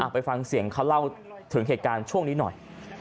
ไปฟังเสียงเขาเล่าถึงเหตุการณ์ช่วงนี้หน่อย